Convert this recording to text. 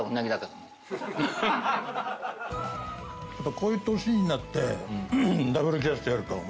こういう年になってダブルキャストやるとは思わなかったね。